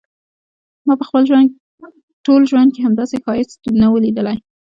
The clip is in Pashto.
ما په خپل ټول ژوند کې همداسي ښایست نه و ليدلی.